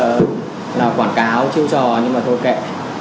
mình tê là quảng cáo chiêu trò nhưng mà thôi kệ